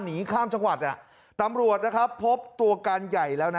หนีข้ามจังหวัดตำรวจพบตัวการใหญ่แล้ว